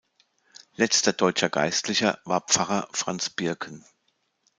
Letzter deutscher Geistlicher war Pfarrer "Franz Birken".